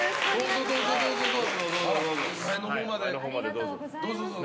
前のほうまでどうぞ、どうぞ。